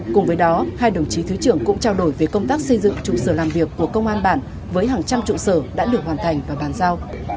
cùng với đó hai đồng chí thứ trưởng cũng trao đổi về công tác xây dựng trụ sở làm việc của công an bản với hàng trăm trụ sở đã được hoàn thành và bàn giao